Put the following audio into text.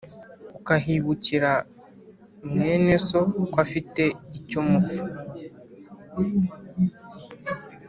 ukahibukira mwene so ko afite icyo mupfa